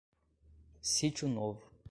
Sítio Novo